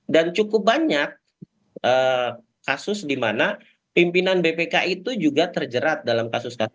dan cukup banyak kasus di mana pimpinan bpk itu juga terjerat dalam kasus